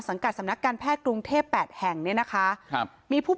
กัดสำนักการแพทย์กรุงเทพแปดแห่งเนี่ยนะคะครับมีผู้